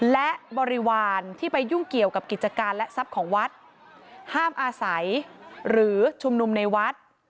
และบริวารที่ไปยุ่งเกี่ยวกับกิจการและทรัพย์ของวัดห้ามอาศัยหรือชุมนุมในวัด